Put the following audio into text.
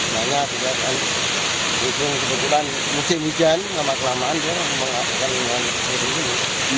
maksudnya tidak akan kebetulan musim hujan lama kelamaan dia mengakibatkan hujan ini